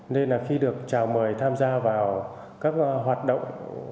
nên khi được trào mời tham gia vào các hoạt động